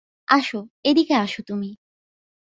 আসো, এদিকে আসো তুমি।